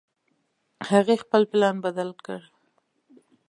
هغې خپل پلان بدل کړ